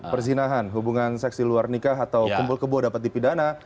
perzinahan hubungan seksi luar nikah atau kumpul kebo dapat dipidana